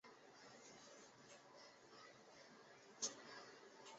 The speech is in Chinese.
清朝军事人物。